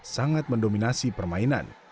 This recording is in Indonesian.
sangat mendominasi permainan